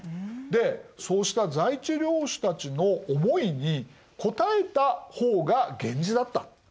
でそうした在地領主たちの思いに応えた方が源氏だった。